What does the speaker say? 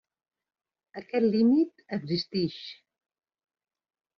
Aquest límit existix.